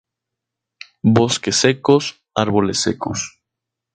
Bosques secos árboles secos.